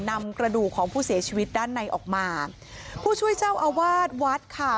นำกระดูกของผู้เสียชีวิตด้านในออกมาผู้ช่วยเจ้าอาวาสวัดค่ะ